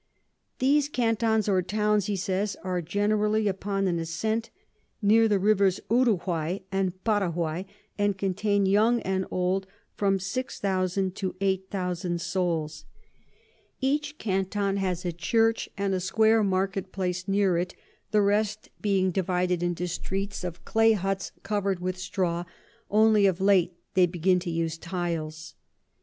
_] These Cantons or Towns, he says, are generally upon an Ascent near the Rivers Uruguay and Paraguay, and contain young and old from 6000 to 8000 Souls. Each Canton has a Church and a square Market place near it, the rest being divided into Streets of Clay Hutts cover'd with Straw, only of late they begin to use Tiles.